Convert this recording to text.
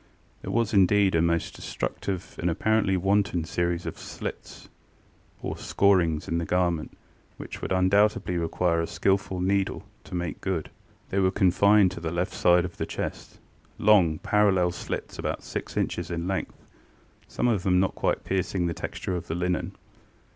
ŌĆØ There was indeed a most destructive and apparently wanton series of slits or scorings in the garment, which would undoubtedly require a skilful needle to make good. They were confined to the left side of the chestŌĆölong, parallel slits, about six inches in length, some of them not quite piercing the texture of the linen.